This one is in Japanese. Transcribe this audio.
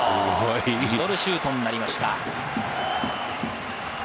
ミドルシュートになりました。